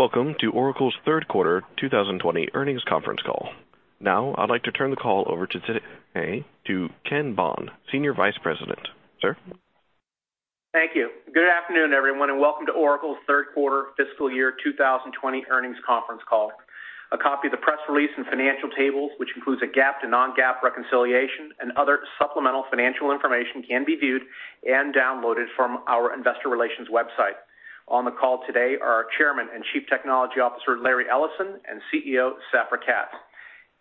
Welcome to Oracle's third quarter 2020 earnings conference call. Now I'd like to turn the call over to Ken Bond, Senior Vice President. Sir? Thank you. Good afternoon, everyone, and welcome to Oracle's third quarter fiscal year 2020 earnings conference call. A copy of the press release and financial tables, which includes a GAAP to non-GAAP reconciliation and other supplemental financial information, can be viewed and downloaded from our Investor Relations website. On the call today are our Chairman and Chief Technology Officer, Larry Ellison, and CEO, Safra Catz.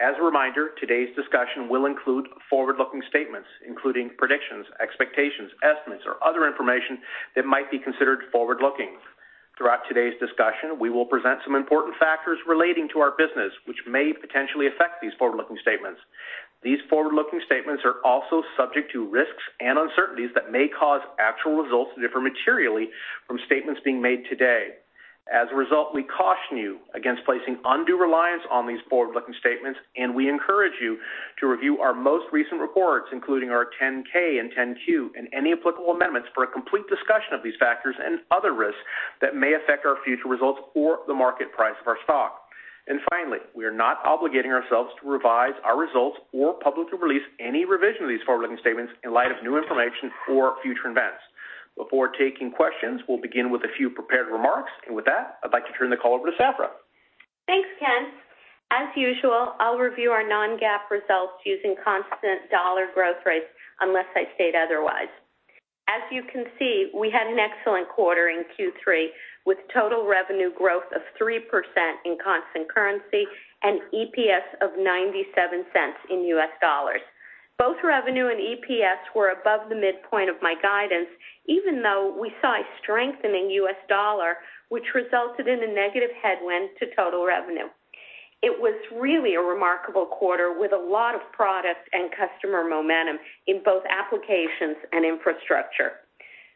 As a reminder, today's discussion will include forward-looking statements, including predictions, expectations, estimates, or other information that might be considered forward-looking. Throughout today's discussion, we will present some important factors relating to our business, which may potentially affect these forward-looking statements. These forward-looking statements are also subject to risks and uncertainties that may cause actual results to differ materially from statements being made today. As a result, we caution you against placing undue reliance on these forward-looking statements, and we encourage you to review our most recent reports, including our 10-K and 10-Q and any applicable amendments for a complete discussion of these factors and other risks that may affect our future results or the market price of our stock. Finally, we are not obligating ourselves to revise our results or publicly release any revision of these forward-looking statements in light of new information or future events. Before taking questions, we'll begin with a few prepared remarks. With that, I'd like to turn the call over to Safra. Thanks, Ken. As usual, I'll review our non-GAAP results using constant dollar growth rates unless I state otherwise. As you can see, we had an excellent quarter in Q3, with total revenue growth of 3% in constant currency and EPS of $0.97 in US dollars. Both revenue and EPS were above the midpoint of my guidance, even though we saw a strengthening US dollar, which resulted in a negative headwind to total revenue. It was really a remarkable quarter with a lot of product and customer momentum in both applications and infrastructure.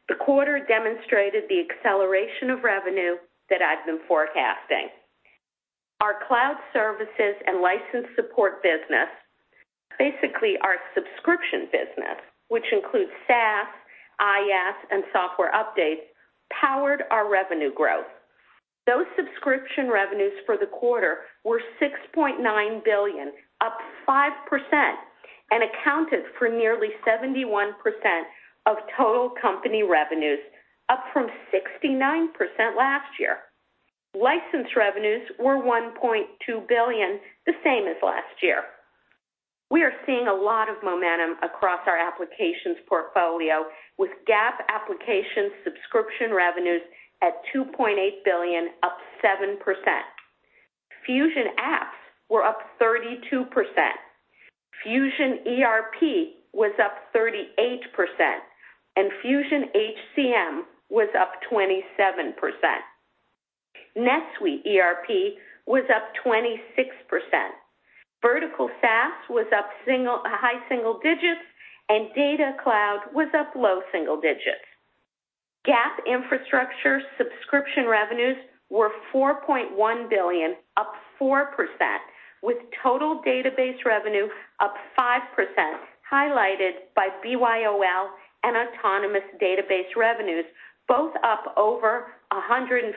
The quarter demonstrated the acceleration of revenue that I've been forecasting. Our cloud services and license support business, basically our subscription business, which includes SaaS, IaaS, and software updates, powered our revenue growth. Those subscription revenues for the quarter were $6.9 billion, up 5%, and accounted for nearly 71% of total company revenues, up from 69% last year. License revenues were $1.2 billion, the same as last year. We are seeing a lot of momentum across our applications portfolio, with GAAP application subscription revenues at $2.8 billion, up 7%. Fusion Apps were up 32%. Fusion ERP was up 38%, and Fusion HCM was up 27%. NetSuite ERP was up 26%. Vertical SaaS was up high single digits, and Data Cloud was up low single digits. GAAP infrastructure subscription revenues were $4.1 billion, up 4%, with total database revenue up 5%, highlighted by BYOL and Autonomous Database revenues, both up over 150%,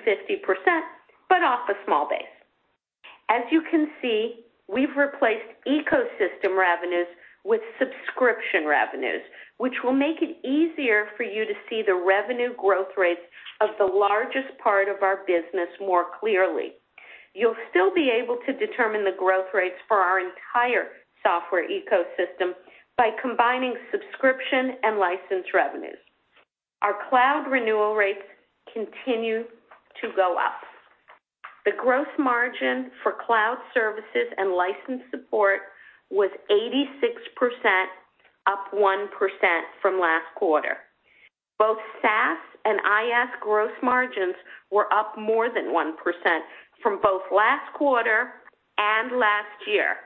but off a small base. As you can see, we've replaced ecosystem revenues with subscription revenues, which will make it easier for you to see the revenue growth rates of the largest part of our business more clearly. You'll still be able to determine the growth rates for our entire software ecosystem by combining subscription and license revenues. Our cloud renewal rates continue to go up. The growth margin for cloud services and license support was 86%, up 1% from last quarter. Both SaaS and IaaS gross margins were up more than 1% from both last quarter and last year.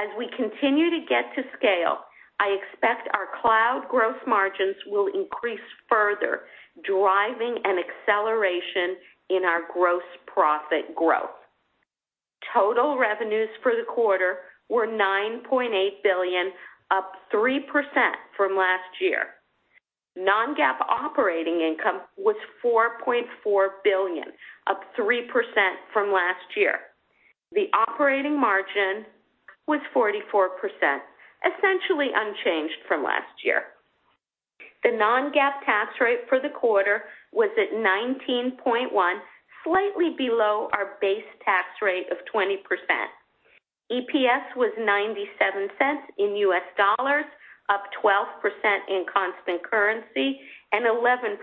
As we continue to get to scale, I expect our cloud growth margins will increase further, driving an acceleration in our gross profit growth. Total revenues for the quarter were $9.8 billion, up 3% from last year. Non-GAAP operating income was $4.4 billion, up 3% from last year. The operating margin was 44%, essentially unchanged from last year. The non-GAAP tax rate for the quarter was at 19.1%, slightly below our base tax rate of 20%. EPS was $0.97, up 12% in constant currency and 11%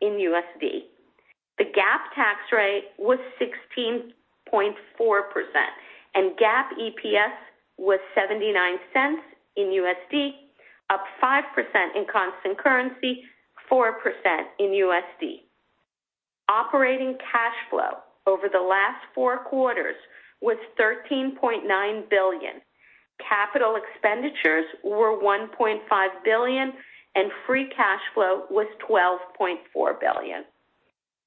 in USD. The GAAP tax rate was 16.4%, and GAAP EPS was $0.79, up 5% in constant currency, 4% in USD. Operating cash flow over the last four quarters was $13.9 billion. Capital expenditures were $1.5 billion, and free cash flow was $12.4 billion.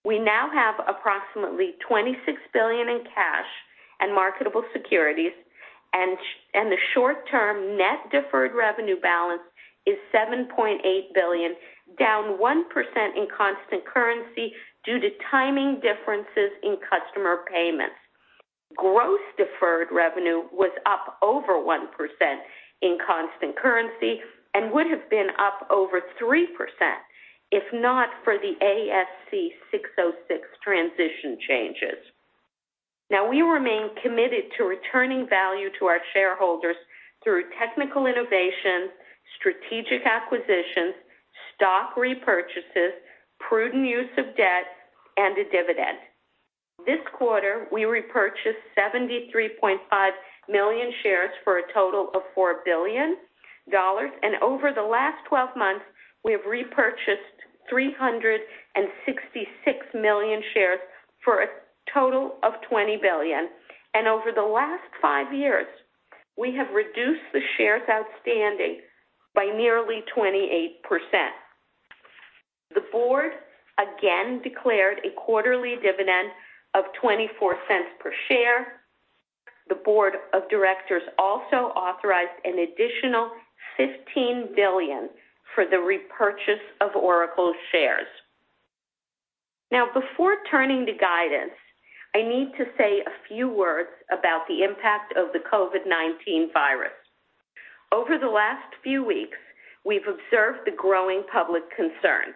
We now have approximately $26 billion in cash and marketable securities. The short-term net deferred revenue balance is $7.8 billion, down 1% in constant currency due to timing differences in customer payments. Gross deferred revenue was up over 1% in constant currency and would have been up over 3% if not for the ASC 606 transition changes. We remain committed to returning value to our shareholders through technical innovation, strategic acquisitions, stock repurchases, prudent use of debt, and a dividend. This quarter, we repurchased 73.5 million shares for a total of $4 billion. Over the last 12 months, we have repurchased 366 million shares for a total of $20 billion. Over the last five years, we have reduced the shares outstanding by nearly 28%. The board again declared a quarterly dividend of $0.24 per share. The board of directors also authorized an additional $15 billion for the repurchase of Oracle shares. Before turning to guidance, I need to say a few words about the impact of the COVID-19 virus. Over the last few weeks, we've observed the growing public concern.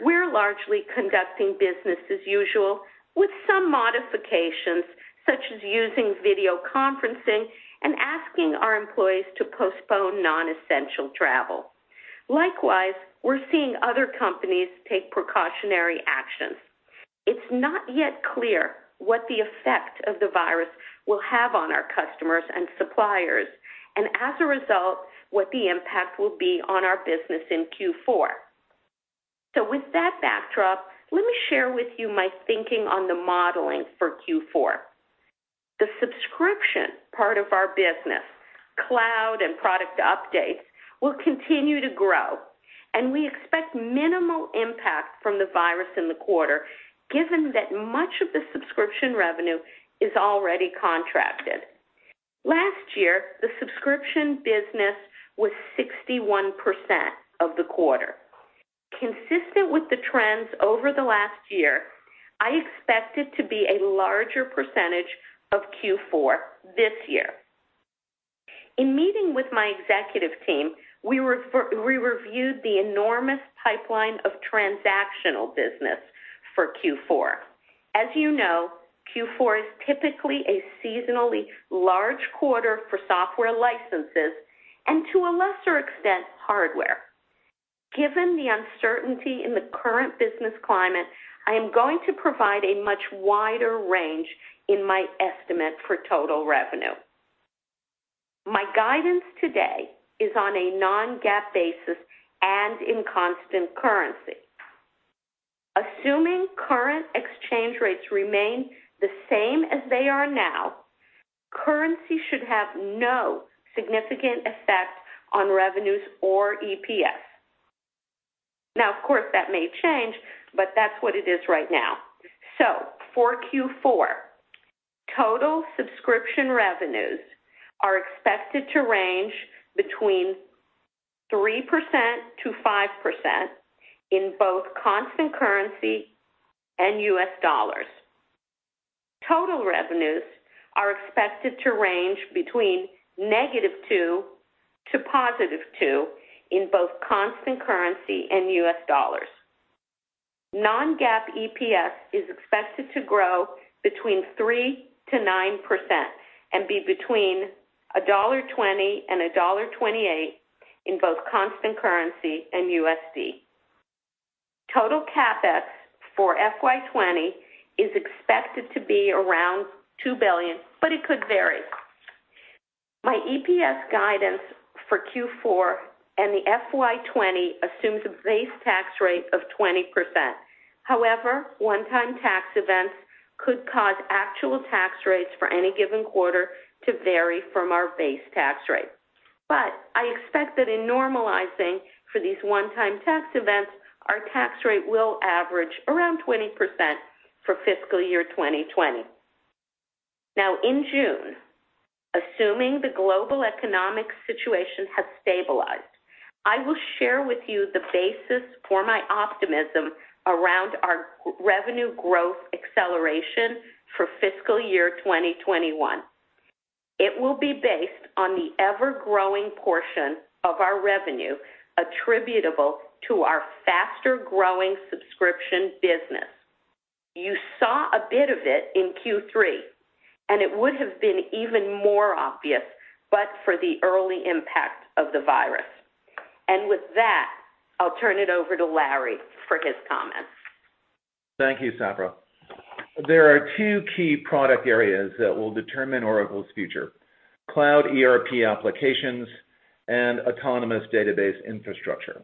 We're largely conducting business as usual, with some modifications, such as using video conferencing and asking our employees to postpone non-essential travel. Likewise, we're seeing other companies take precautionary actions. It's not yet clear what the effect of the virus will have on our customers and suppliers and, as a result, what the impact will be on our business in Q4. With that backdrop, let me share with you my thinking on the modeling for Q4. The subscription part of our business, cloud and product updates, will continue to grow, and we expect minimal impact from the virus in the quarter, given that much of the subscription revenue is already contracted. Last year, the subscription business was 61% of the quarter. Consistent with the trends over the last year, I expect it to be a larger percentage of Q4 this year. In meeting with my executive team, we reviewed the enormous pipeline of transactional business for Q4. As you know, Q4 is typically a seasonally large quarter for software licenses and, to a lesser extent, hardware. Given the uncertainty in the current business climate, I am going to provide a much wider range in my estimate for total revenue. My guidance today is on a non-GAAP basis and in constant currency. Assuming current exchange rates remain the same as they are now, currency should have no significant effect on revenues or EPS. Of course, that may change, but that's what it is right now. For Q4, total subscription revenues are expected to range between 3% to 5% in both constant currency and US dollars. Total revenues are expected to range between -2% to +2% in both constant currency and US dollars. Non-GAAP EPS is expected to grow between 3% to 9% and be between $1.20 and $1.28 in both constant currency and USD. Total CapEx for FY 2020 is expected to be around $2 billion, but it could vary. My EPS guidance for Q4 and the FY 2020 assumes a base tax rate of 20%. However, one-time tax events could cause actual tax rates for any given quarter to vary from our base tax rate. I expect that in normalizing for these one-time tax events, our tax rate will average around 20% for fiscal year 2020. Now in June, assuming the global economic situation has stabilized, I will share with you the basis for my optimism around our revenue growth acceleration for fiscal year 2021. It will be based on the ever-growing portion of our revenue attributable to our faster-growing subscription business. You saw a bit of it in Q3, and it would have been even more obvious, but for the early impact of the virus. With that, I'll turn it over to Larry for his comments. Thank you, Safra. There are two key product areas that will determine Oracle's future: Cloud ERP applications and autonomous database infrastructure.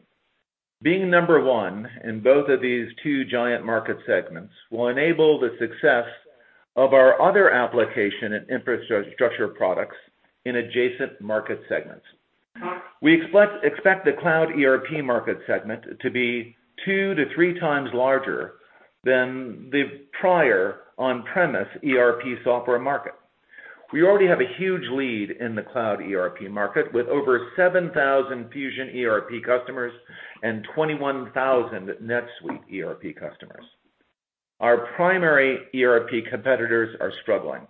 Being number one in both of these two giant market segments will enable the success of our other application and infrastructure products in adjacent market segments. We expect the cloud ERP market segment to be 2x-3x larger than the prior on-premise ERP software market. We already have a huge lead in the cloud ERP market, with over 7,000 Fusion ERP customers and 21,000 NetSuite ERP customers. Our primary ERP competitors are struggling.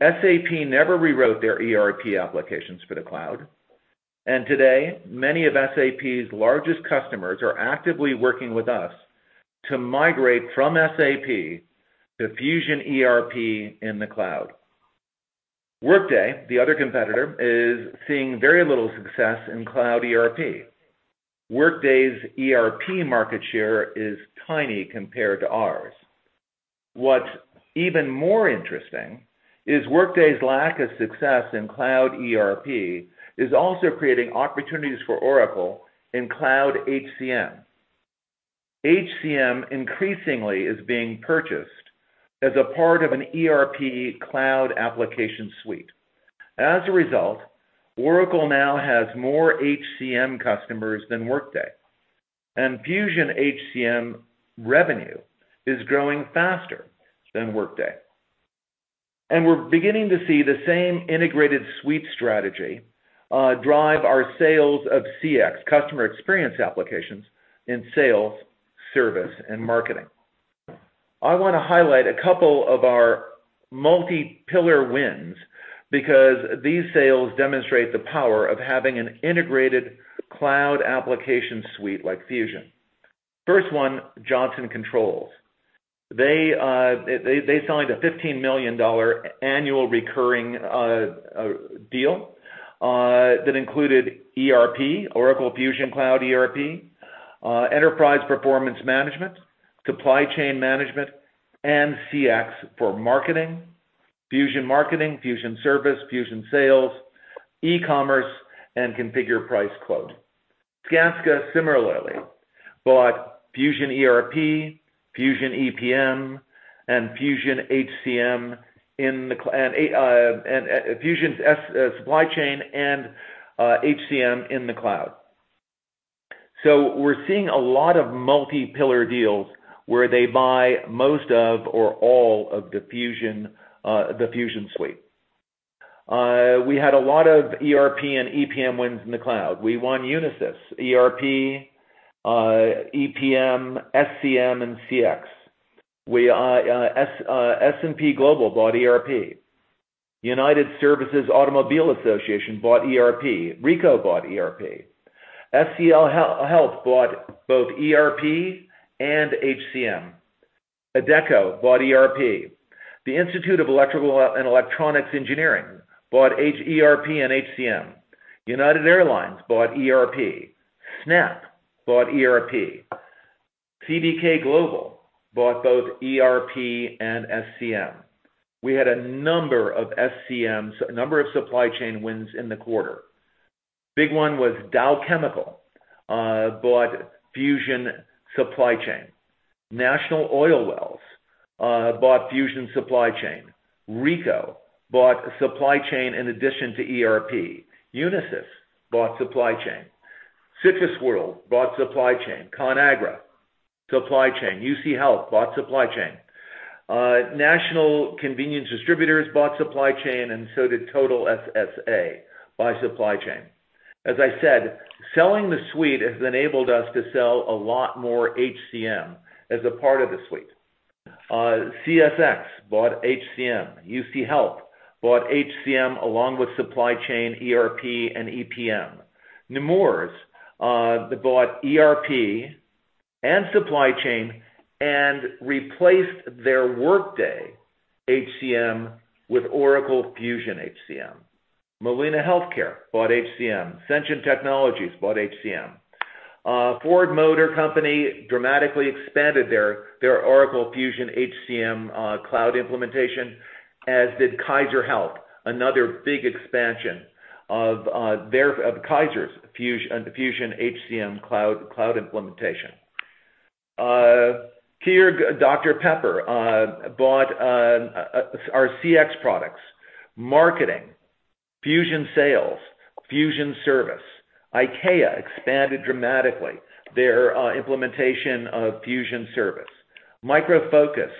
SAP never rewrote their ERP applications for the cloud, and today many of SAP's largest customers are actively working with us to migrate from SAP to Fusion ERP in the cloud. Workday, the other competitor, is seeing very little success in cloud ERP. Workday's ERP market share is tiny compared to ours. What's even more interesting is Workday's lack of success in cloud ERP is also creating opportunities for Oracle in cloud HCM. HCM increasingly is being purchased as a part of an ERP cloud application suite. As a result, Oracle now has more HCM customers than Workday, and Fusion HCM revenue is growing faster than Workday. We're beginning to see the same integrated suite strategy drive our sales of CX, customer experience applications, in sales, service, and marketing. I want to highlight a couple of our multi-pillar wins because these sales demonstrate the power of having an integrated cloud application suite like Fusion. First one, Johnson Controls. They signed a $15 million annual recurring deal that included ERP, Oracle Fusion Cloud ERP, Enterprise Performance Management, Supply Chain Management, and CX for marketing, Fusion Marketing, Fusion Service, Fusion Sales, eCommerce, and Configure Price Quote. Gasca similarly bought Fusion ERP, Fusion EPM, and Fusion HCM, and Fusion Supply Chain and HCM in the cloud. We're seeing a lot of multi-pillar deals where they buy most of or all of the Fusion suite. We had a lot of ERP and EPM wins in the cloud. We won Unisys ERP, EPM, SCM, and CX. S&P Global bought ERP. United Services Automobile Association bought ERP. Ricoh bought ERP. SCL Health bought both ERP and HCM. Adecco bought ERP. The Institute of Electrical and Electronics Engineers bought ERP and HCM. United Airlines bought ERP. Snap bought ERP. CDK Global bought both ERP and SCM. We had a number of SCMs, a number of supply chain wins in the quarter. Big one was Dow Chemical bought Fusion Supply Chain. National Oilwell Varco bought Fusion Supply Chain. Ricoh bought Supply Chain in addition to ERP. Unisys bought Supply Chain. Citrus World bought Supply Chain. Conagra, Supply Chain. UC Health bought Supply Chain. National Convenience Distributors bought Supply Chain, and so did Total SSA, buy Supply Chain. As I said, selling the suite has enabled us to sell a lot more HCM as a part of the suite. CSX bought HCM. UC Health bought HCM along with Supply Chain, ERP, and EPM. Nemours, they bought ERP and Supply Chain and replaced their Workday HCM with Oracle Fusion HCM. Molina Healthcare bought HCM. Sensient Technologies bought HCM. Ford Motor Company dramatically expanded their Oracle Fusion HCM, cloud implementation, as did Kaiser Health, another big expansion of Kaiser's Fusion HCM Cloud implementation. Dr Pepper bought our CX products, Fusion Marketing, Fusion Sales, Fusion Service. IKEA expanded dramatically their implementation of Fusion Service. Micro Focus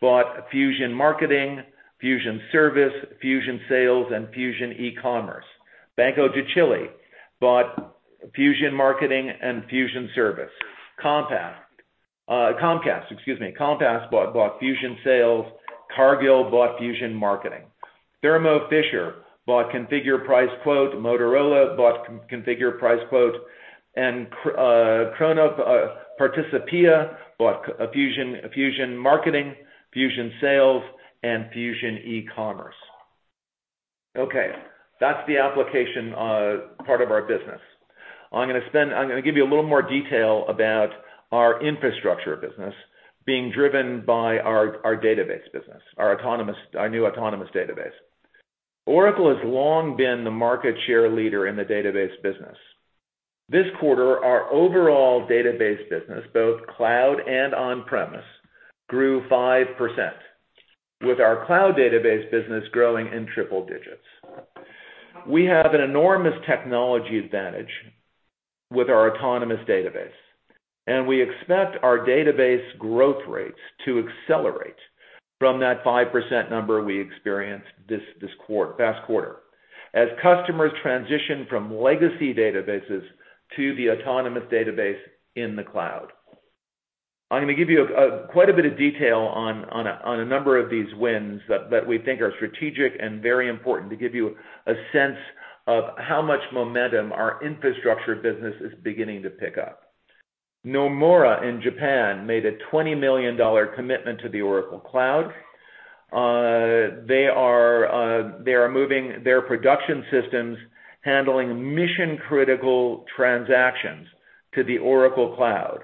bought Fusion Marketing, Fusion Service, Fusion Sales, and Fusion eCommerce. Banco de Chile bought Fusion Marketing and Fusion Service. Comcast bought Fusion Sales. Cargill bought Fusion Marketing. Thermo Fisher bought Configure Price Quote. Motorola bought Configure Price Quote. Kronospan bought Fusion Marketing, Fusion Sales, and Fusion eCommerce. Okay, that's the application part of our business. I'm going to give you a little more detail about our infrastructure business being driven by our database business, our new Oracle Autonomous Database. Oracle has long been the market share leader in the database business. This quarter, our overall database business, both cloud and on-premise, grew 5%, with our cloud database business growing in triple digits. We have an enormous technology advantage with our Oracle Autonomous Database, and we expect our database growth rates to accelerate from that 5% number we experienced this past quarter as customers transition from legacy databases to the Oracle Autonomous Database in the cloud. I'm going to give you quite a bit of detail on a number of these wins that we think are strategic and very important to give you a sense of how much momentum our infrastructure business is beginning to pick up. Nomura in Japan made a $20 million commitment to the Oracle Cloud. They are moving their production systems handling mission-critical transactions to the Oracle Cloud.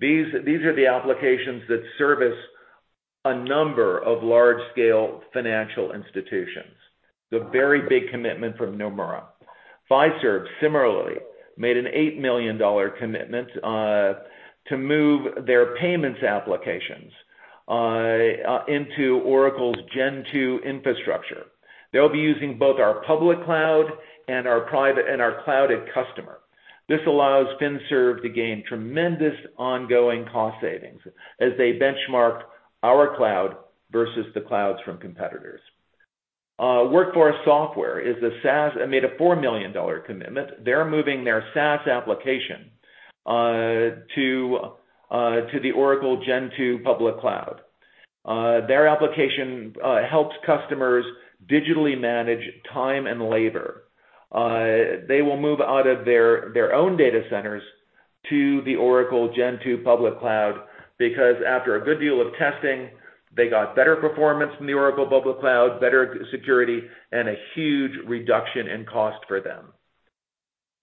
These are the applications that service a number of large-scale financial institutions. It's a very big commitment from Nomura. Fiserv similarly made an $8 million commitment to move their payments applications into Oracle's Gen 2 Infrastructure. They'll be using both our public cloud and our Cloud@Customer. This allows Fiserv to gain tremendous ongoing cost savings as they benchmark our cloud versus the clouds from competitors. WorkForce Software made a $4 million commitment. They're moving their SaaS application to the Oracle Gen 2 Public Cloud. Their application helps customers digitally manage time and labor. They will move out of their own data centers to the Oracle Gen 2 Public Cloud because after a good deal of testing, they got better performance from the Oracle Public Cloud, better security, and a huge reduction in cost for them.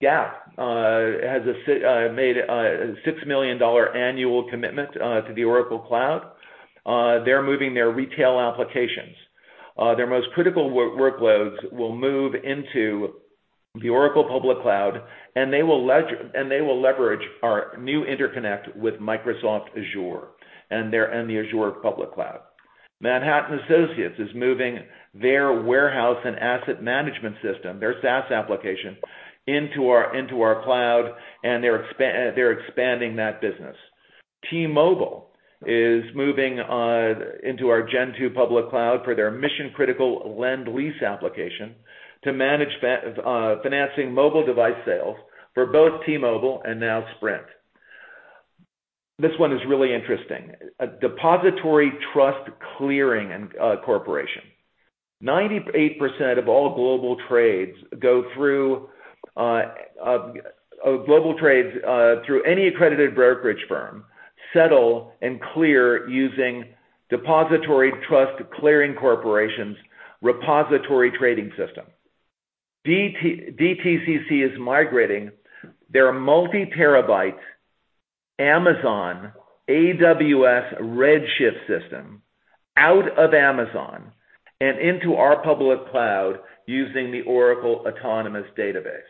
Gap has made a $6 million annual commitment to the Oracle Cloud. They're moving their retail applications. Their most critical workloads will mov e into the Oracle Public Cloud, and they will leverage our new interconnect with Microsoft Azure and the Azure Public Cloud. Manhattan Associates is moving their warehouse and asset management system, their SaaS application, into our cloud, and they're expanding that business. T-Mobile is moving into our Gen 2 Public Cloud for their mission-critical lend lease application to manage financing mobile device sales for both T-Mobile and now Sprint. This one is really interesting. Depository Trust & Clearing Corporation. 98% of all global trades through any accredited brokerage firm settle and clear using Depository Trust & Clearing Corporation's repository trading system. DTCC is migrating their multi-terabyte Amazon AWS Redshift system out of Amazon and into our Oracle Cloud using the Oracle Autonomous Database.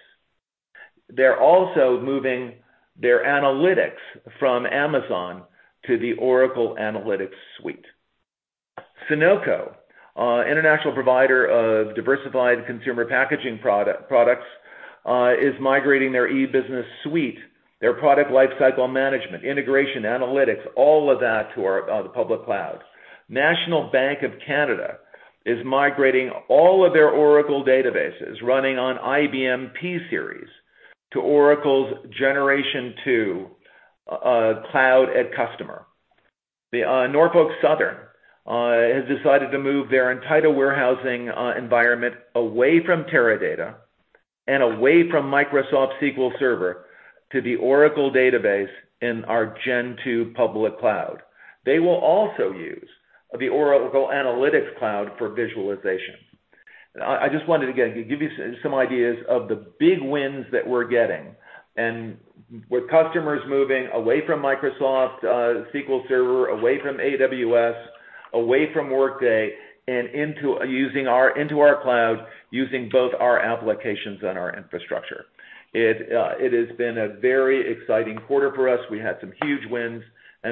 They're also moving their analytics from Amazon to the Oracle Analytics Cloud. Sonoco, international provider of diversified consumer packaging products, is migrating their E-Business Suite, their product lifecycle management, integration, analytics, all of that to our Oracle Cloud. National Bank of Canada is migrating all of their Oracle databases running on IBM pSeries to Oracle's Generation 2 Cloud@Customer. The Norfolk Southern has decided to move their entire warehousing environment away from Teradata and away from Microsoft SQL Server to the Oracle Database in our Gen 2 Public Cloud. They will also use the Oracle Analytics Cloud for visualization. I just wanted to, again, give you some ideas of the big wins that we're getting, with customers moving away from Microsoft SQL Server, away from AWS, away from Workday, and into our cloud, using both our applications and our infrastructure. It has been a very exciting quarter for us. We had some huge wins,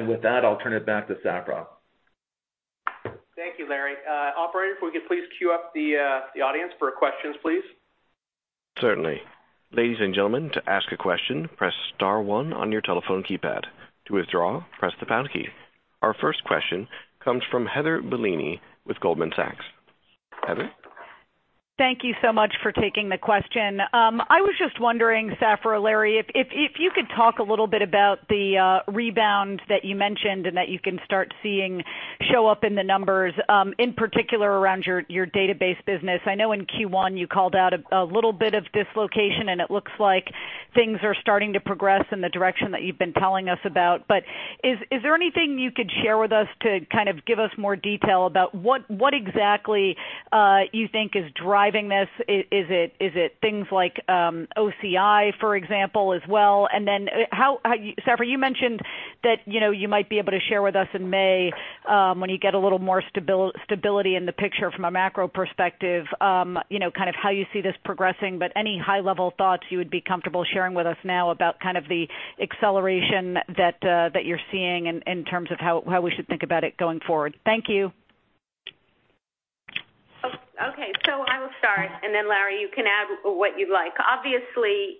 with that, I'll turn it back to Safra. Thank you, Larry. Operator, if we could please queue up the audience for questions, please. Certainly. Ladies and gentlemen, to ask a question, press star one on your telephone keypad. To withdraw, press the pound key. Our first question comes from Heather Bellini with Goldman Sachs. Heather? Thank you so much for taking the question. I was just wondering, Safra or Larry, if you could talk a little bit about the rebound that you mentioned and that you can start seeing show up in the numbers, in particular around your database business. I know in Q1 you called out a little bit of dislocation. It looks like things are starting to progress in the direction that you've been telling us about. Is there anything you could share with us to kind of give us more detail about what exactly you think is driving this? Is it things like OCI, for example, as well? Safra, you mentioned that you might be able to share with us in May, when you get a little more stability in the picture from a macro perspective, how you see this progressing, but any high-level thoughts you would be comfortable sharing with us now about the acceleration that you're seeing in terms of how we should think about it going forward? Thank you. I will start, and then Larry, you can add what you'd like. Obviously,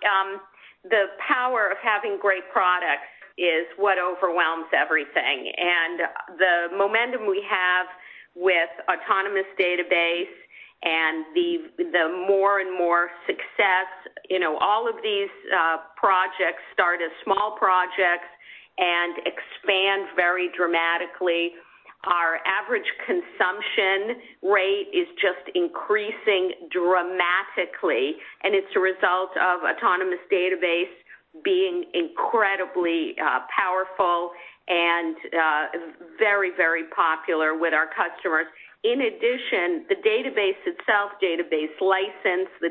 the power of having great products is what overwhelms everything, and the momentum we have with Autonomous Database and the more and more success. All of these projects start as small projects and expand very dramatically. Our average consumption rate is just increasing dramatically, and it's a result of Autonomous Database being incredibly powerful and very popular with our customers. The Database itself, Database license, the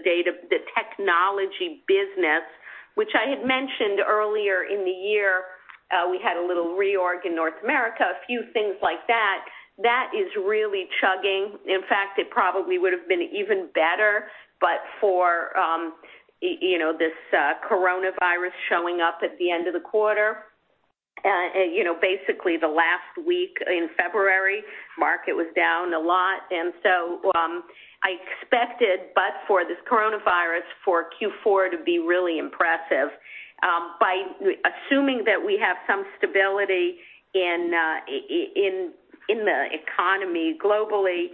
technology business, which I had mentioned earlier in the year, we had a little reorg in North America, a few things like that. That is really chugging. It probably would've been even better, but for this Coronavirus showing up at the end of the quarter. The last week in February, market was down a lot. I expected, but for this COVID-19, for Q4 to be really impressive. By assuming that we have some stability in the economy globally,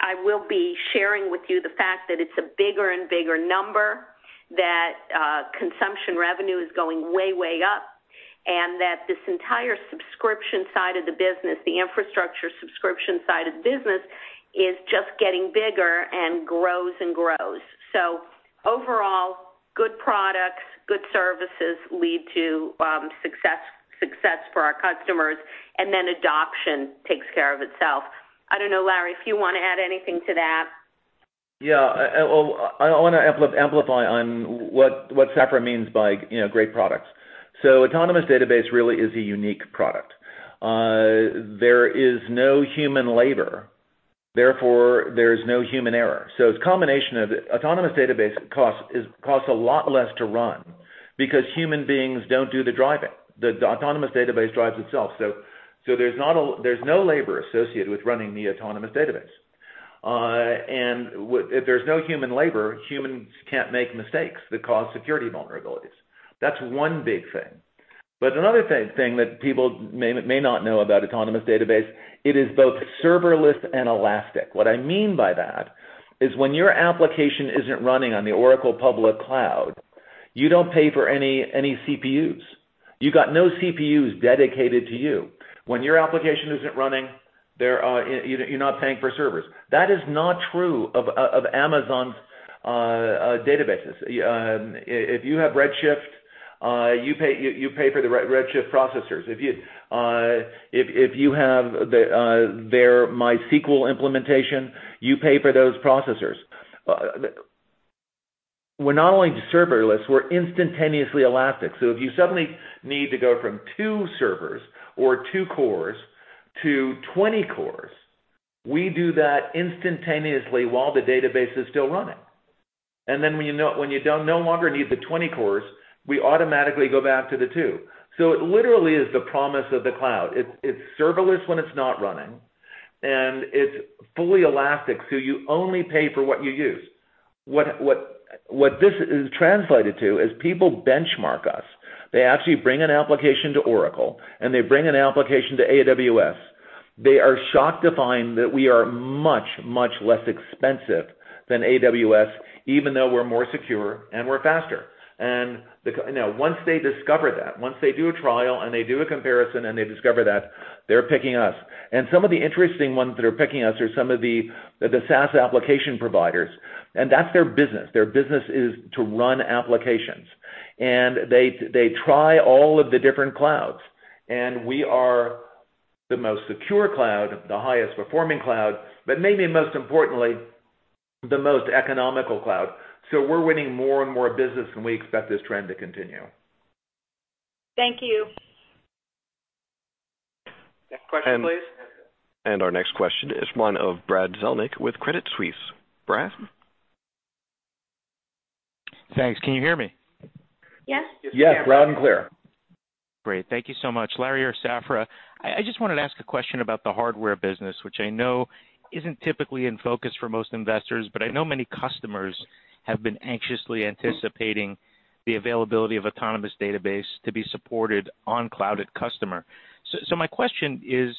I will be sharing with you the fact that it's a bigger and bigger number, that consumption revenue is going way up, and that this entire subscription side of the business, the infrastructure subscription side of the business is just getting bigger and grows. Overall, good products, good services lead to success for our customers, and then adoption takes care of itself. I don't know, Larry, if you want to add anything to that. Yeah. I want to amplify on what Safra means by great products. Autonomous Database really is a unique product. There is no human labor, therefore there is no human error. It's a combination of Autonomous Database costs a lot less to run because human beings don't do the driving. The Autonomous Database drives itself. There's no labor associated with running the Autonomous Database. If there's no human labor, humans can't make mistakes that cause security vulnerabilities. That's one big thing. Another thing that people may not know about Autonomous Database, it is both serverless and elastic. What I mean by that is when your application isn't running on the Oracle Cloud, you don't pay for any CPUs. You got no CPUs dedicated to you. When your application isn't running, you're not paying for servers. That is not true of Amazon's databases. If you have Redshift, you pay for the Redshift processors. If you have their MySQL implementation, you pay for those processors. We're not only serverless, we're instantaneously elastic. If you suddenly need to go from two servers or two cores to 20 cores, we do that instantaneously while the database is still running. When you no longer need the 20 cores, we automatically go back to the two. It literally is the promise of the cloud. It's serverless when it's not running, and it's fully elastic, so you only pay for what you use. What this is translated to is people benchmark us. They actually bring an application to Oracle, and they bring an application to AWS. They are shocked to find that we are much less expensive than AWS, even though we're more secure and we're faster. Now, once they discover that, once they do a trial and they do a comparison and they discover that, they're picking us. Some of the interesting ones that are picking us are some of the SaaS application providers. That's their business. Their business is to run applications. They try all of the different clouds, and we are the most secure cloud, the highest performing cloud, but maybe most importantly, the most economical cloud. We're winning more and more business, and we expect this trend to continue. Thank you. Next question, please. Our next question is one of Brad Zelnick with Credit Suisse. Brad? Thanks. Can you hear me? Yes. Yes, broad and clear. Great. Thank you so much, Larry or Safra. I just wanted to ask a question about the hardware business, which I know isn't typically in focus for most investors, but I know many customers have been anxiously anticipating the availability of Autonomous Database to be supported on Cloud@Customer. My question is,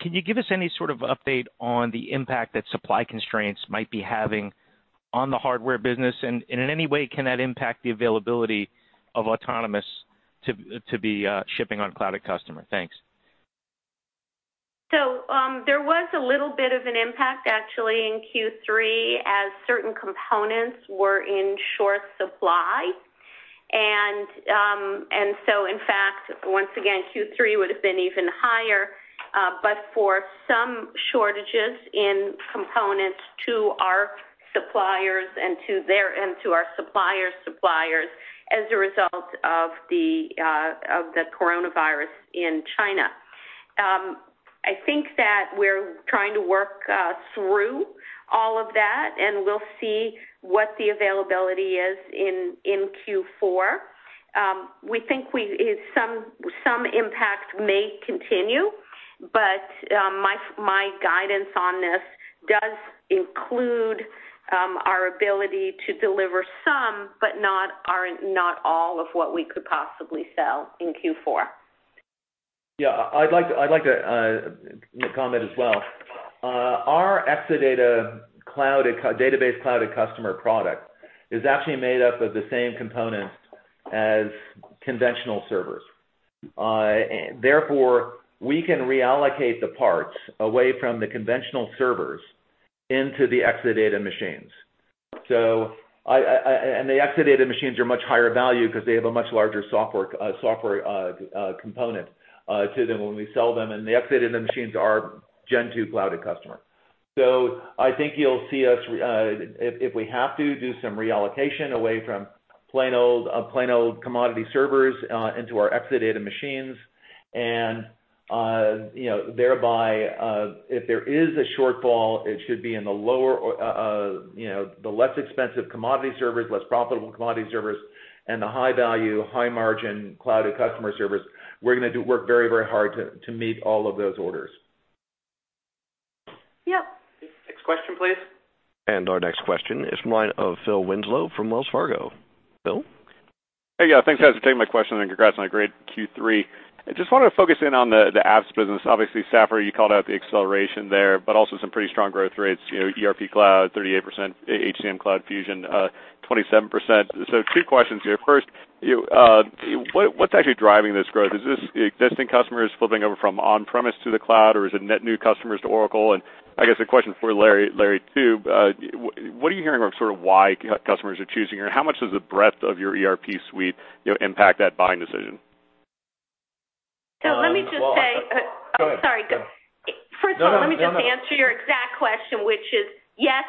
can you give us any sort of update on the impact that supply constraints might be having on the hardware business? In any way, can that impact the availability of Autonomous to be shipping on Cloud@Customer? Thanks. There was a little bit of an impact actually in Q3 as certain components were in short supply. In fact, once again, Q3 would've been even higher, but for some shortages in components to our suppliers and to our suppliers' suppliers as a result of the coronavirus in China. I think that we're trying to work through all of that, and we'll see what the availability is in Q4. We think some impact may continue. My guidance on this does include our ability to deliver some, but not all of what we could possibly sell in Q4. Yeah. I'd like to comment as well. Our Exadata database Cloud@Customer product is actually made up of the same components as conventional servers. Therefore, we can reallocate the parts away from the conventional servers into the Exadata machines. The Exadata machines are much higher value because they have a much larger software component to them when we sell them, and the Exadata machines are Gen 2 Cloud@Customer. I think you'll see us, if we have to, do some reallocation away from plain old commodity servers, into our Exadata machines. Thereby, if there is a shortfall, it should be in the less expensive commodity servers, less profitable commodity servers, and the high value, high margin Cloud@Customer servers. We're going to work very hard to meet all of those orders. Yeah. Next question, please. Our next question is from the line of Phil Winslow from Wells Fargo. Phil? Hey. Yeah, thanks guys for taking my question, and congrats on a great Q3. I just wanted to focus in on the apps business. Obviously, Safra, you called out the acceleration there, but also some pretty strong growth rates, ERP Cloud, 38%, HCM Cloud Fusion, 27%. Two questions here. First, what's actually driving this growth? Is this existing customers flipping over from on-premise to the cloud, or is it net new customers to Oracle? I guess a question for Larry too, what are you hearing about why customers are choosing, or how much does the breadth of your ERP suite impact that buying decision? Let me just say. Well, Go ahead. Oh, sorry. Go. No. First of all, let me just answer your exact question, which is yes.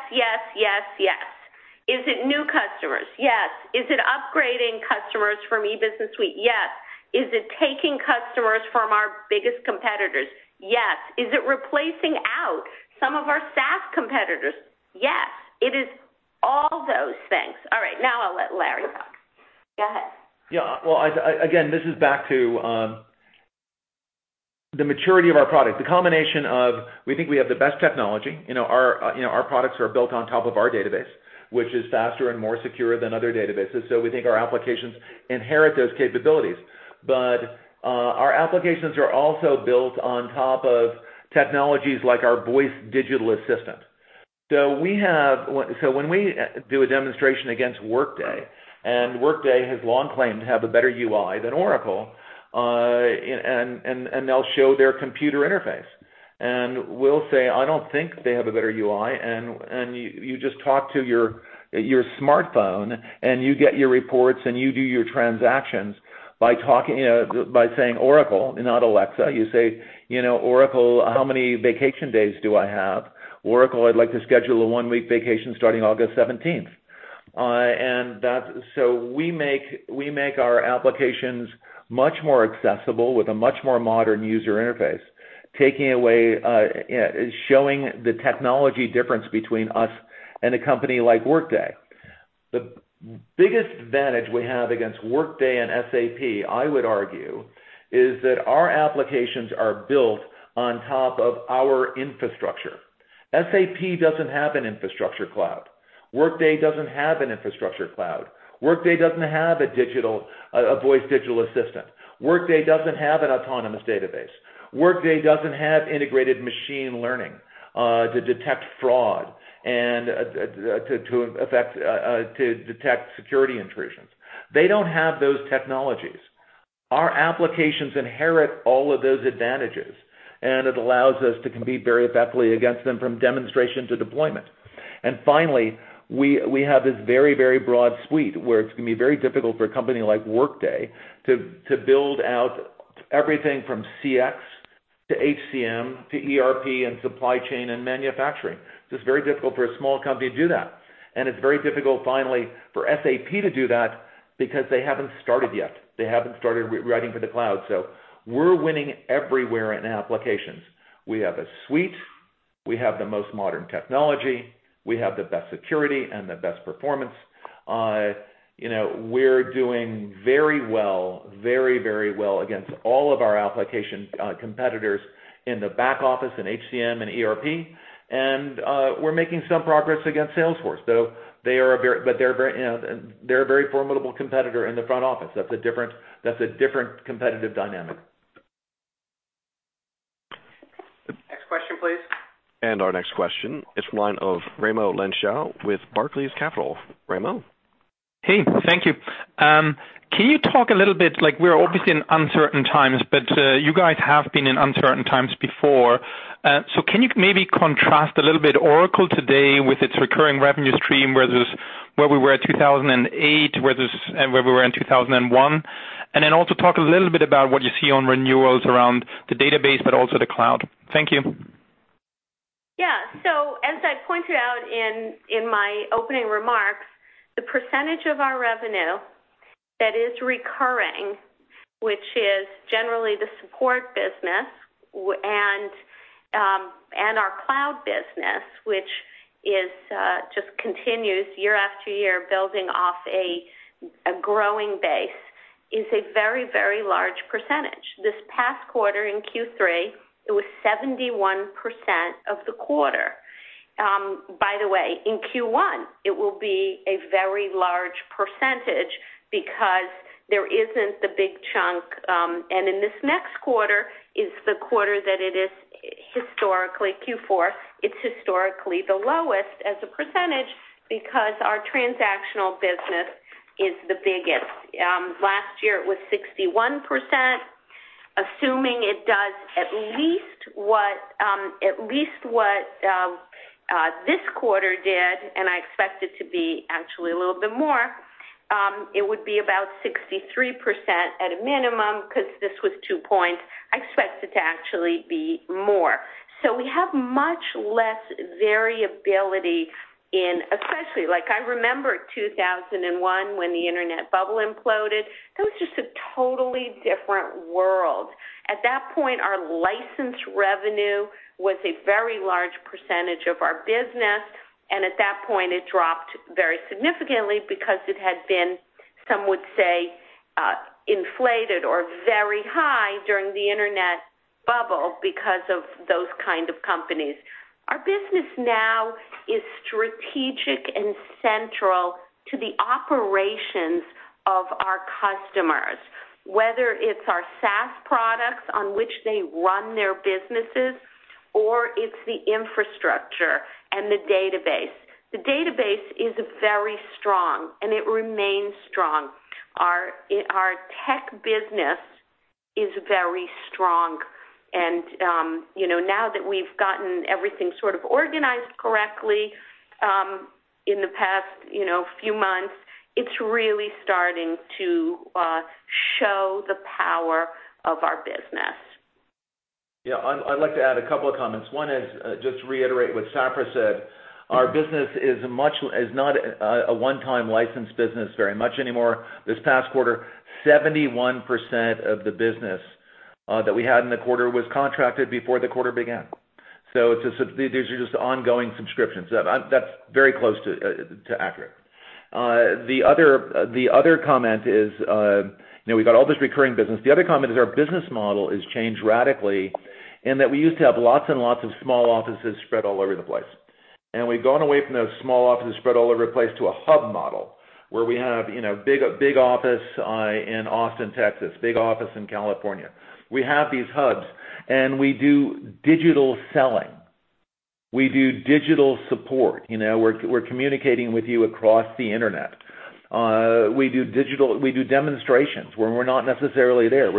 Is it new customers? Yes. Is it upgrading customers from E-Business Suite? Yes. Is it taking customers from our biggest competitors? Yes. Is it replacing out some of our SaaS competitors? Yes. It is all those things. All right, now I'll let Larry talk. Go ahead. Well, again, this is back to the maturity of our product. The combination of, we think we have the best technology. Our products are built on top of our database, which is faster and more secure than other databases. We think our applications inherit those capabilities. Our applications are also built on top of technologies like our voice digital assistant. When we do a demonstration against Workday has long claimed to have a better UI than Oracle, they'll show their computer interface. We'll say, "I don't think they have a better UI." You just talk to your smartphone, you get your reports, you do your transactions by saying, "Oracle," not Alexa. You say, "Oracle, how many vacation days do I have? Oracle, I'd like to schedule a one-week vacation starting August 17th." We make our applications much more accessible with a much more modern user interface, showing the technology difference between us and a company like Workday. The biggest advantage we have against Workday and SAP, I would argue, is that our applications are built on top of our infrastructure. SAP doesn't have an infrastructure cloud. Workday doesn't have an infrastructure cloud. Workday doesn't have a voice digital assistant. Workday doesn't have an autonomous database. Workday doesn't have integrated machine learning to detect fraud and to detect security intrusions. They don't have those technologies. Our applications inherit all of those advantages, and it allows us to compete very effectively against them from demonstration to deployment. Finally, we have this very broad suite where it's going to be very difficult for a company like Workday to build out everything from CX to HCM to ERP and supply chain and manufacturing. It's very difficult for a small company to do that. It's very difficult, finally, for SAP to do that because they haven't started yet. They haven't started writing for the cloud. We're winning everywhere in applications. We have a suite, we have the most modern technology, we have the best security and the best performance. We're doing very well against all of our application competitors in the back office, in HCM and ERP. We're making some progress against Salesforce, though they're a very formidable competitor in the front office. That's a different competitive dynamic. Next question, please. Our next question is from the line of Raimo Lenschow with Barclays Capital. Raimo? Hey, thank you. Can you talk a little bit, we're obviously in uncertain times, but you guys have been in uncertain times before. Can you maybe contrast a little bit Oracle today with its recurring revenue stream, where we were at 2008, where we were in 2001? Also talk a little bit about what you see on renewals around the database, but also the cloud. Thank you. As I pointed out in my opening remarks, the percentage of our revenue that is recurring, which is generally the support business and our cloud business, which just continues year after year, building off a growing base, is a very large percentage. This past quarter in Q3, it was 71% of the quarter. By the way, in Q1, it will be a very large percentage because there isn't the big chunk. In this next quarter is the quarter that it is historically Q4. It's historically the lowest as a percentage because our transactional business is the biggest. Last year it was 61%. Assuming it does at least what this quarter did, I expect it to be actually a little bit more, it would be about 63% at a minimum, because this was two points. I expect it to actually be more. We have much less variability, especially, I remember 2001 when the Internet bubble imploded. That was just a totally different world. At that point, our license revenue was a very large percentage of our business, and at that point, it dropped very significantly because it had been, some would say, inflated or very high during the Internet bubble because of those kind of companies. Our business now is strategic and central to the operations of our customers, whether it's our SaaS products on which they run their businesses, or it's the infrastructure and the database. The database is very strong, and it remains strong. Our tech business is very strong. Now that we've gotten everything sort of organized correctly in the past few months, it's really starting to show the power of our business. Yeah, I'd like to add a couple of comments. One is just to reiterate what Safra said. Our business is not a one-time license business very much anymore. This past quarter, 71% of the business that we had in the quarter was contracted before the quarter began. These are just ongoing subscriptions. That's very close to accurate. The other comment is, we've got all this recurring business. The other comment is our business model has changed radically in that we used to have lots and lots of small offices spread all over the place. We've gone away from those small offices spread all over the place to a hub model, where we have big office in Austin, Texas, big office in California. We have these hubs, and we do digital selling. We do digital support. We're communicating with you across the internet. We do demonstrations when we're not necessarily there.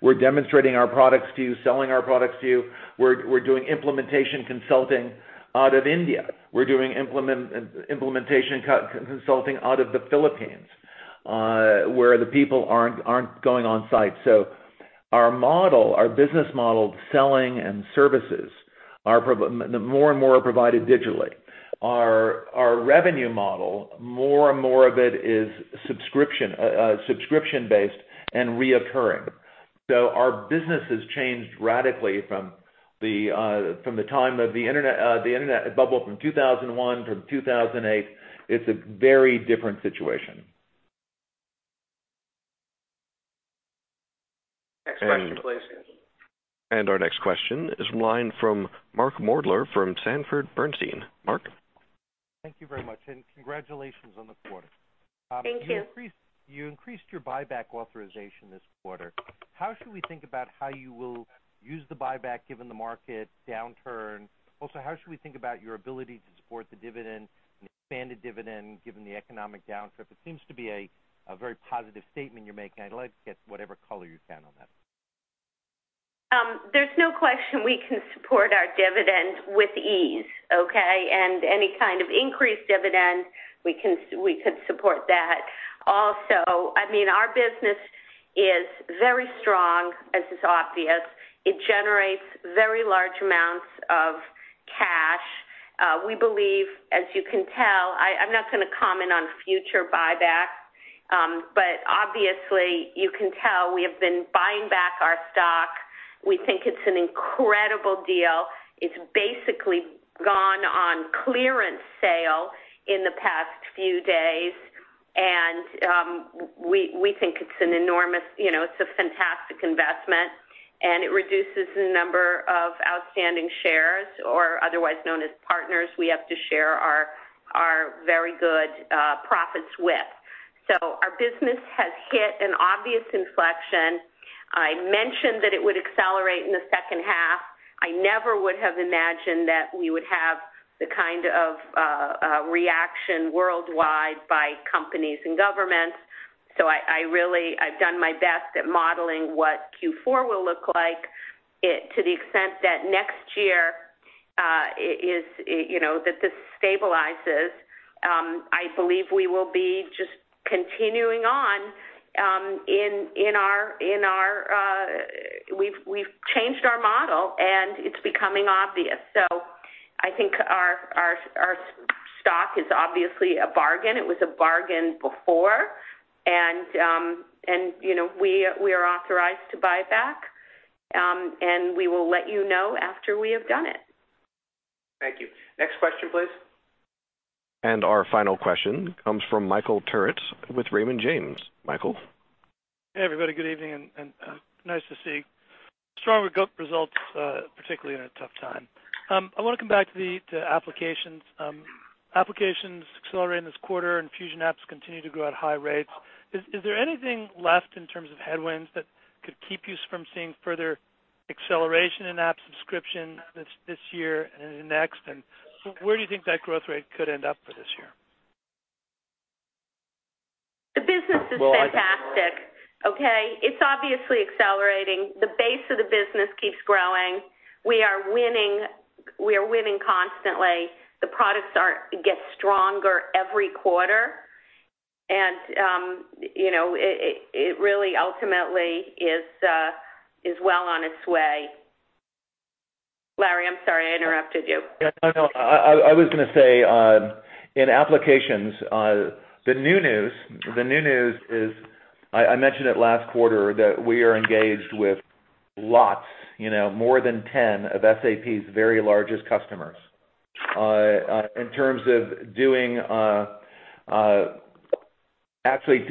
We're demonstrating our products to you, selling our products to you. We're doing implementation consulting out of India. We're doing implementation consulting out of the Philippines, where the people aren't going on site. Our business model, selling and services, more and more are provided digitally. Our revenue model, more and more of it is subscription-based and reoccurring. Our business has changed radically from the time of the internet bubble from 2001 to 2008. It's a very different situation. Next question, please. Our next question is from the line from Mark Moerdler from Sanford Bernstein. Mark. Thank you very much, and congratulations on the quarter. Thank you. You increased your buyback authorization this quarter. How should we think about how you will use the buyback given the market downturn? Also, how should we think about your ability to support the dividend and expand the dividend given the economic downturn? It seems to be a very positive statement you're making. I'd like to get whatever color you can on that. There's no question we can support our dividend with ease, okay? Any kind of increased dividend, we could support that also. Our business is very strong, as is obvious. It generates very large amounts of cash. We believe, as you can tell, I'm not going to comment on future buybacks, but obviously you can tell we have been buying back our stock. We think it's an incredible deal. It's basically gone on clearance sale in the past few days, and we think it's a fantastic investment, and it reduces the number of outstanding shares, or otherwise known as partners we have to share our very good profits with. Our business has hit an obvious inflection. I mentioned that it would accelerate in the second half. I never would have imagined that we would have the kind of reaction worldwide by companies and governments. I've done my best at modeling what Q4 will look like to the extent that next year that this stabilizes. I believe we will be just continuing on. We've changed our model, and it's becoming obvious. I think our stock is obviously a bargain. It was a bargain before and we are authorized to buy back, and we will let you know after we have done it. Thank you. Next question, please. Our final question comes from Michael Turits with Raymond James. Michael. Hey, everybody. Good evening. Nice to see stronger results, particularly in a tough time. I want to come back to the applications. Applications accelerated this quarter. Fusion apps continue to grow at high rates. Is there anything left in terms of headwinds that could keep you from seeing further acceleration in app subscription this year and into next? Where do you think that growth rate could end up for this year? The business is fantastic. Okay. It's obviously accelerating. The base of the business keeps growing. We are winning constantly. The products get stronger every quarter, and it really ultimately is well on its way. Larry, I'm sorry, I interrupted you. Yeah. No, I was going to say, in applications, the new news is, I mentioned it last quarter, that we are engaged with lots, more than 10 of SAP's very largest customers, in terms of actually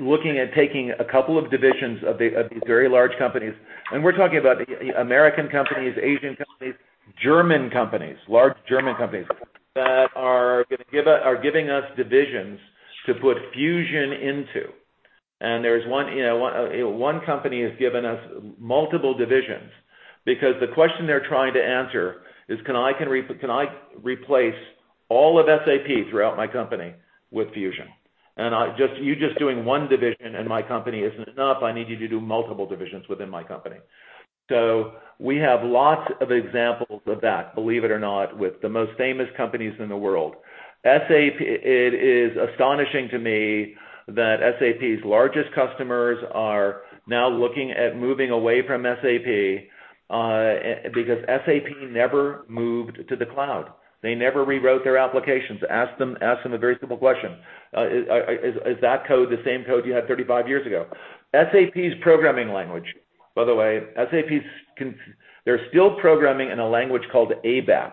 looking at taking a couple of divisions of these very large companies. We're talking about American companies, Asian companies, German companies, large German companies, that are giving us divisions to put Fusion into. One company has given us multiple divisions because the question they're trying to answer is, can I replace all of SAP throughout my company with Fusion? You just doing one division in my company isn't enough. I need you to do multiple divisions within my company. We have lots of examples of that, believe it or not, with the most famous companies in the world. It is astonishing to me that SAP's largest customers are now looking at moving away from SAP, because SAP never moved to the cloud. They never rewrote their applications. Ask them a very simple question. Is that code the same code you had 35 years ago? SAP's programming language, by the way, they're still programming in a language called ABAP.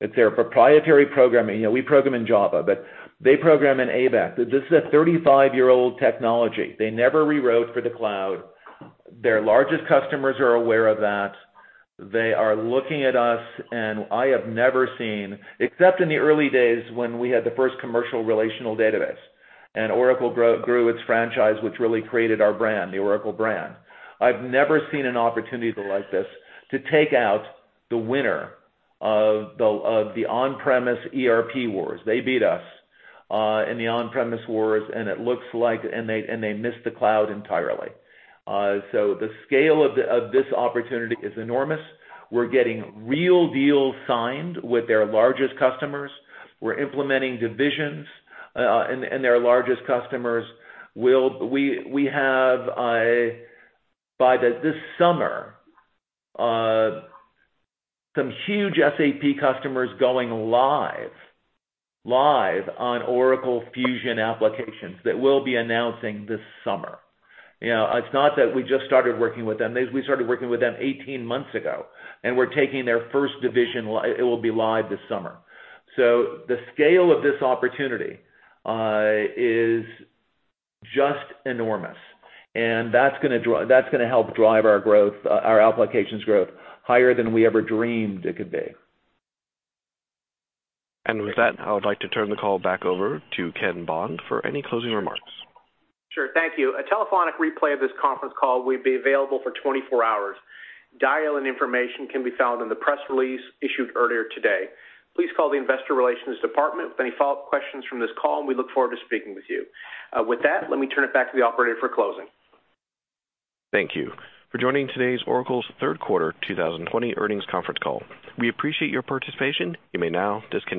It's their proprietary programming. We program in Java, but they program in ABAP. This is a 35-year-old technology. They never rewrote for the cloud. Their largest customers are aware of that. They are looking at us, and I have never seen, except in the early days when we had the first commercial relational database, and Oracle grew its franchise, which really created our brand, the Oracle brand. I've never seen an opportunity like this to take out the winner of the on-premise ERP wars. They beat us in the on-premise wars, and they missed the cloud entirely. The scale of this opportunity is enormous. We're getting real deals signed with their largest customers. We're implementing divisions, and their largest customers, we have, by this summer, some huge SAP customers going live on Oracle Fusion applications that we'll be announcing this summer. It's not that we just started working with them. We started working with them 18 months ago, and we're taking their first division. It will be live this summer. The scale of this opportunity is just enormous, and that's going to help drive our applications growth higher than we ever dreamed it could be. With that, I would like to turn the call back over to Ken Bond for any closing remarks. Sure. Thank you. A telephonic replay of this conference call will be available for 24 hours. Dial-in information can be found in the press release issued earlier today. Please call the Investor Relations department with any follow-up questions from this call, and we look forward to speaking with you. With that, let me turn it back to the operator for closing. Thank you for joining today's Oracle's third quarter 2020 earnings conference call. We appreciate your participation. You may now disconnect.